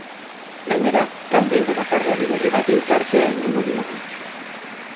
Gainera, talde edo bakarlari berri bati tartea egingo diogu.